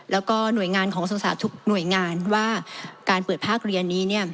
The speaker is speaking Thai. แล้วก็หน่วยงานของกษัตริย์หนุ่งศาสตร์ทุกหน่วยงานว่าการเปิดภาคเรียนนี้